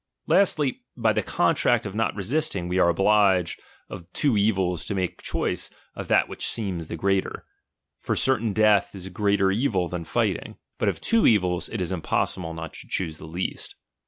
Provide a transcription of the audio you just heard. Lastly, by the contract of not resisting, we are obliged, of two evils to make choice of that which seems the greater. For certain death is a greater evil than fighting. But of two evils it is impossible not to choose the least.